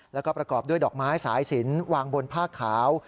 แล้วก็ประกอบด้วยดอกไม้สายสินวางบนผ้าขาว